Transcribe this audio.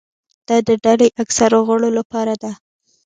دا د ډلې اکثرو غړو لپاره ده.